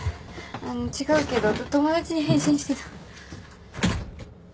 違うけど友達に返信してた。